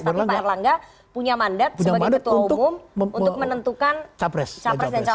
tapi pak erlangga punya mandat sebagai ketua umum untuk menentukan capres dan cawapres